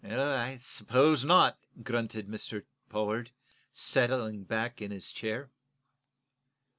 "I suppose not," grunted Mr. Pollard, settling back in his chair.